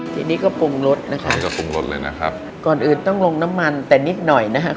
ทีนี้ก็ปรุงรสนะครับก่อนอื่นต้องลงน้ำมันแต่นิดหน่อยนะครับ